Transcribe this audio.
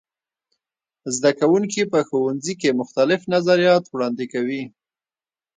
زده کوونکي په ښوونځي کې مختلف نظریات وړاندې کوي.